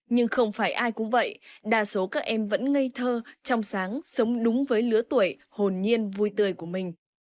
nhưng không phải ai cũng vậy đa số các em vẫn ngây thơ trong sáng sống đúng với lứa tuổi hồn nhiên vui tươi của mình